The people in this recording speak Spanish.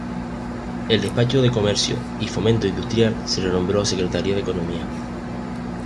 El despacho de Comercio y Fomento Industrial se renombró Secretaría de Economía.